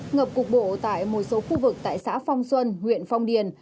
ngập cục bộ tại một số khu vực tại xã phong xuân huyện phong điền